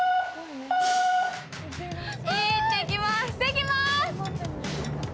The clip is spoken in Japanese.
いってきます。